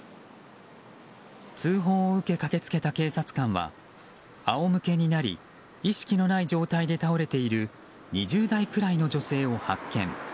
通報を受け駆けつけた警察官は仰向けになり意識のない状態で倒れている２０代くらいの女性を発見。